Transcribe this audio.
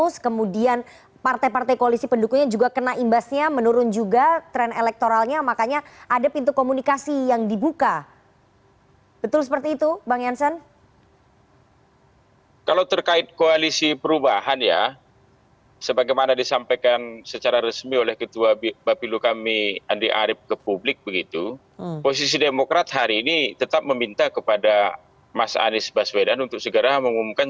supaya ayo lebih cepat dong kita umumkan